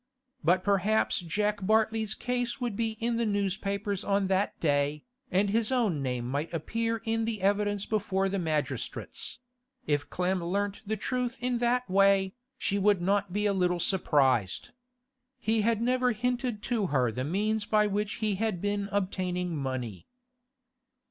But perhaps Jack Bartley's case would be in the newspapers on that day, and his own name might appear in the evidence before the magistrates; if Clem learnt the truth in that way, she would be not a little surprised. He had never hinted to her the means by which he had been obtaining money.